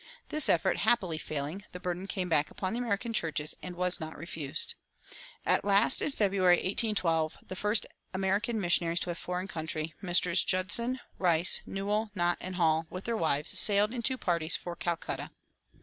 This effort happily failing, the burden came back upon the American churches and was not refused. At last, in February, 1812, the first American missionaries to a foreign country, Messrs. Judson, Rice, Newell, Nott, and Hall, with their wives, sailed, in two parties, for Calcutta.